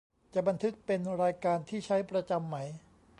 จะบันทึกเป็นรายการที่ใช้ประจำไหม